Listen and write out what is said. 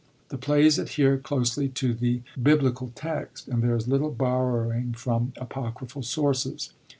The plays adhere closely to the Biblical text, and there is little . borrowing from apocryphal sources.